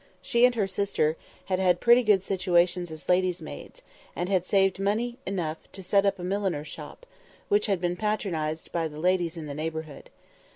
She and her sister had had pretty good situations as ladies' maids, and had saved money enough to set up a milliner's shop, which had been patronised by the ladies in the neighbourhood.